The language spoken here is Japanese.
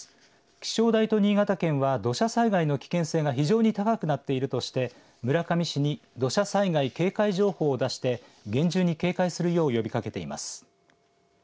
気象台と新潟県は土砂災害の危険性が非常に高くなっているとして村上市に土砂災害警戒情報を出して厳重に警戒するよう呼びかけています。